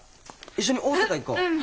一緒に大阪行こう。